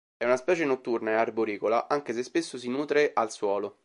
È una specie notturna e arboricola, anche se spesso si nutre al suolo.